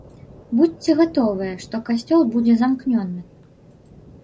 Будзьце гатовыя, што касцёл будзе замкнёны.